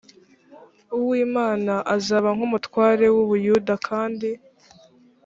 uw imana azaba nk umutware w u buyuda kandi